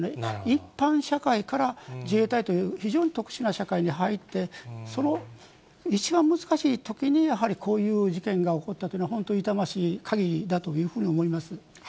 一般社会から自衛隊という非常に特殊な社会に入って、その一番難しいときに、やはりこういう事件が起こったというのは、本当に痛ましいかぎりだというふうに思います。